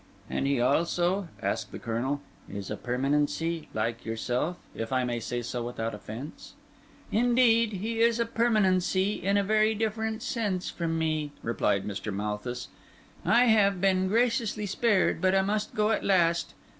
"And he also," asked the Colonel, "is a permanency—like yourself, if I may say so without offence?" "Indeed, he is a permanency in a very different sense from me," replied Mr. Malthus. "I have been graciously spared, but I must go at last.